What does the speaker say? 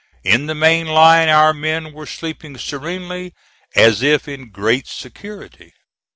In the main line our men were sleeping serenely, as if in great security.